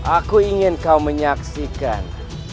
aku ingin kau menyaksikan